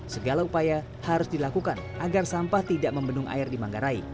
segala upaya harus dilakukan agar sampah tidak membendung air di manggarai